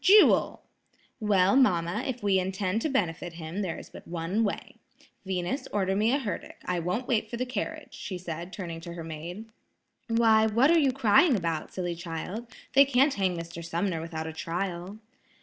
"Jewel!" "Well, mamma, if we intend to benefit him, there is but one way. Venus, order me a herdic; I won't wait for the carriage," she said, turning to her maid. "Why, what are you crying about, silly child; they can't hang Mr. Sumner without a trial."